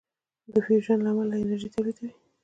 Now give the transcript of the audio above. د فیوژن له امله لمر انرژي تولیدوي.